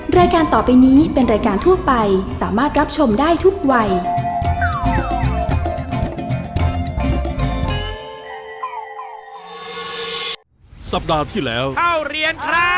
รายการต่อไปนี้เป็นรายการทั่วไปสามารถรับชมได้ทุกวัย